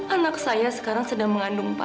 anak saya sekarang sedang mengandung empat